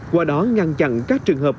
qua đó ngăn chặn các trường hợp